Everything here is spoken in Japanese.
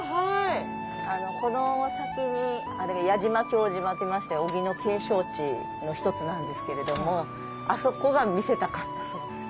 この先に矢島・経島といいまして小木の景勝地の一つなんですけれどもあそこが見せたかったそうです。